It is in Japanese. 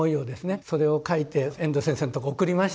それを書いて遠藤先生のとこ送りました。